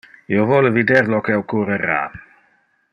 Io vole vider lo que occurrera.